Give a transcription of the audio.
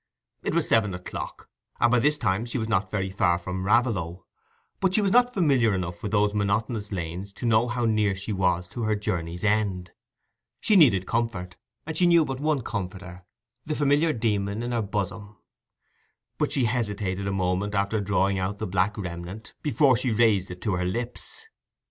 It was seven o'clock, and by this time she was not very far from Raveloe, but she was not familiar enough with those monotonous lanes to know how near she was to her journey's end. She needed comfort, and she knew but one comforter—the familiar demon in her bosom; but she hesitated a moment, after drawing out the black remnant, before she raised it to her lips.